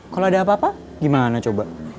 kalau ada apa apa gimana coba